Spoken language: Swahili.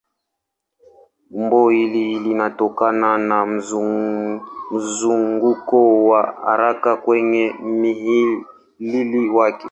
Umbo hili linatokana na mzunguko wa haraka kwenye mhimili wake.